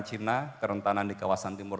cina kerentanan di kawasan timur